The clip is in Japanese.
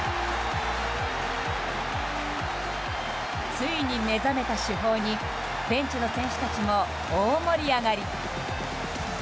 ついに目覚めた主砲にベンチの選手たちも大盛り上がり！